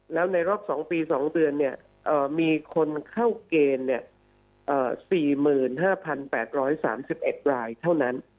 แล้วในรอบ๒ปี๒เดือนมีคนเข้าเกณฑ์๔๕๘๓๑รายเท่านั้น